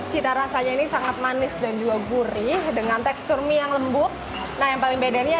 cita rasanya ini sangat manis dan juga gurih dengan tekstur mie yang lembut nah yang paling bedanya